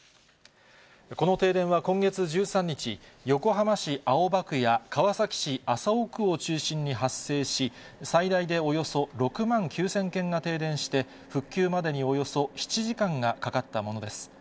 この停電は今月１３日、横浜市青葉区や川崎市麻生区を中心に発生し、最大でおよそ６万９０００軒が停電して、復旧までにおよそ７時間がかかったものです。